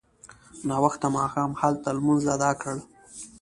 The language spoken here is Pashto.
ناوخته ماښام هلته لمونځ اداء کړ.